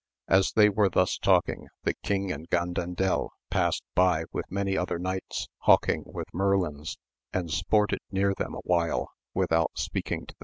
As they were thus talking, the king and Gandandel past by with many other knights, hawking with merlins, and sported near them awhile without speaking to VOL.